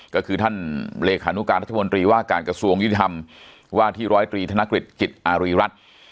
ก็คือท่านเลขานุการรัฐมนตรีว่าการกระทรวงยุติธรรมว่าที่ร้อยตรีธนกฤษจิตอารีรัฐ